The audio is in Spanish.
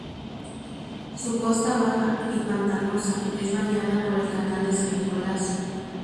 Su costa baja y pantanosa es bañada por el canal de San Nicolás.